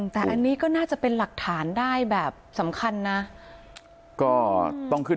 แต่อันนี้ก็น่าจะเป็นหลักฐานได้แบบสำคัญนะก็ต้องขึ้น